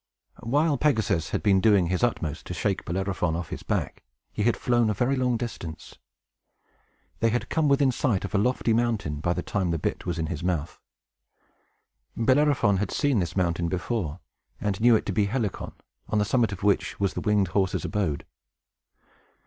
While Pegasus had been doing his utmost to shake Bellerophon off his back, he had flown a very long distance; and they had come within sight of a lofty mountain by the time the bit was in his mouth. Bellerophon had seen this mountain before, and knew it to be Helicon, on the summit of which was the winged horse's abode.